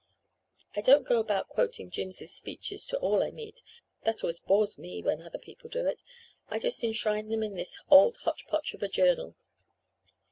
"I don't go about quoting Jims's speeches to all I meet. That always bores me when other people do it! I just enshrine them in this old hotch potch of a journal!